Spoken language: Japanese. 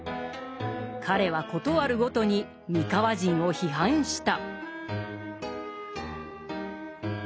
彼は事あるごとに三河人を批判した。